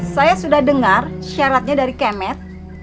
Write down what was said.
saya sudah dengar syaratnya dari kemet